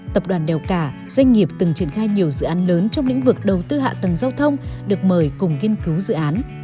tập đoàn đèo cả doanh nghiệp từng triển khai nhiều dự án lớn trong lĩnh vực đầu tư hạ tầng giao thông được mời cùng nghiên cứu dự án